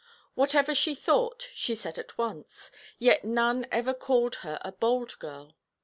Whatever she thought, she said at once; yet none ever called her a bold girl.